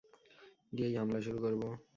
গিয়েই হামলা শুরু করব।